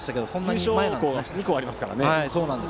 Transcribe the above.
優勝校が２校ありますからね。